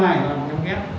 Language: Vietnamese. vâng em ghép